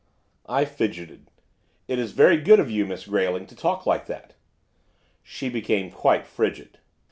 I fidgeted. 'It is very good of you, Miss Grayling, to talk like that.' She became quite frigid.